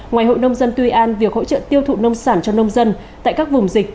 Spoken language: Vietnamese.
ngoài hội nông dân tuy an việc hỗ trợ tiêu thụ nông sản cho nông dân tại các vùng dịch